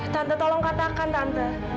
tante tolong katakan tante